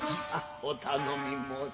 お頼み申す。